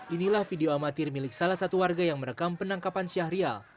inilah video amatir milik salah satu warga yang merekam penangkapan syahrial